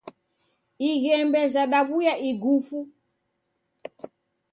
Ighembe jadaw'uya igufu.